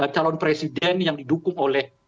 calon presiden yang didukung oleh